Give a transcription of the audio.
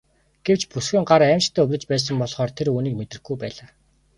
Гэвч бүсгүйн гар аймшигтай өвдөж байсан болохоор тэр үүнийг мэдрэхгүй байлаа.